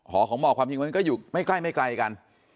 หอของหมอกความจริงมันก็อยู่ไม่ใกล้ไม่ไกลกัน